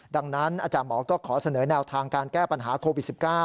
ดังนั้นอาจารย์หมอก็ขอเสนอแนวทางการแก้ปัญหาโควิด๑๙